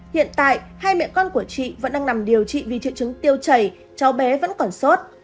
hiện tại hai mẹ con của chị vẫn đang nằm điều trị vì triệu chứng tiêu chảy cháu bé vẫn còn sốt